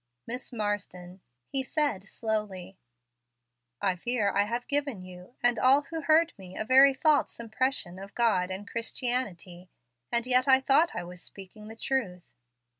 "Miss Marsden," he said slowly, "I fear I have given you, and all who heard me, a very false impression of God and Christianity; and yet I thought I was speaking the truth."